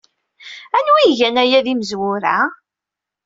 Anwi ay igan aya d imezwura?